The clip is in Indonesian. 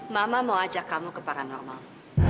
mama mau ajak kamu ke paranormal